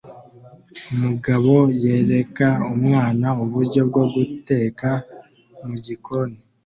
Umugabo yereka umwana uburyo bwo guteka mugikoni